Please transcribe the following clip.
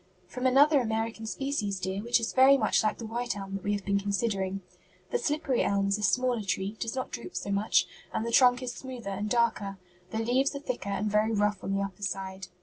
"From another American species, dear, which is very much like the white elm that we have been considering. The slippery elm is a smaller tree, does not droop so much, and the trunk is smoother and darker. The leaves are thicker and very rough on the upper side.